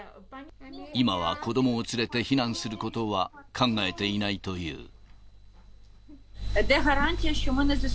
今は子どもを連れて避難することは考えていないという。